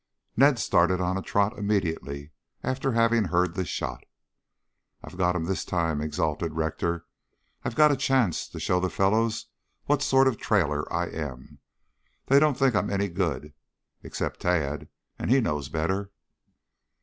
Ned started on a trot immediately after having heard the shot. "I've got him this time!" exulted Rector. "I've got a chance to show the fellows what sort of a trailer I am. They don't think I'm any good, except Tad, and he knows better."